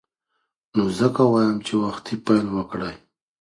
نو ځکه وایم چې وختي پیل وکړئ.